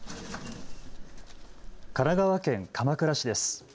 神奈川県鎌倉市です。